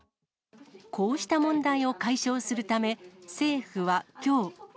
こうした問題を解消するため、政府はきょう。